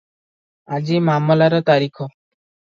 ଆଜି ମାମଲାର ତାରିଖ ।